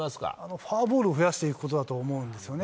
フォアボールを増やしていくことだと思うんですよね。